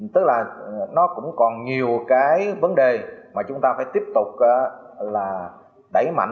tức là nó cũng còn nhiều cái vấn đề mà chúng ta phải tiếp tục là đẩy mạnh